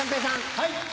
はい。